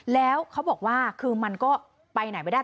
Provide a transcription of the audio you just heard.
แล้วเขาบอกว่าคือมันก็ไปไหนไม่ได้